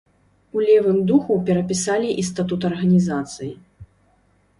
У левым духу перапісалі і статут арганізацыі.